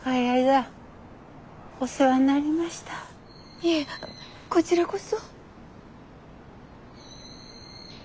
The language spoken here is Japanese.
いえこちらこそ。